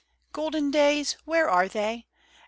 Golden days — where are they ?